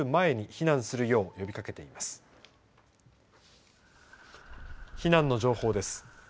避難の情報です。